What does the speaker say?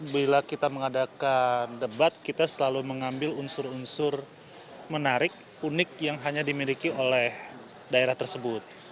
bila kita mengadakan debat kita selalu mengambil unsur unsur menarik unik yang hanya dimiliki oleh daerah tersebut